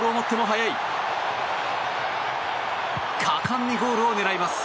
果敢にゴールを狙います。